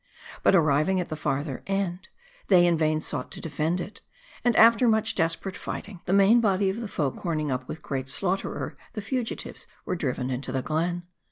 But arriving at the further end, they in vain sought to defend it. And after much * 1 *' r ._*.'%. ii* %> M A R D I. 257 desperate fighting, the main body of the foe coming up, with great slaughter tte fugitives were driven inta the glen.